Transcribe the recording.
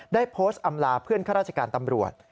ได้โพสต์อำลาเพื่อนข้าราชการตำรวจ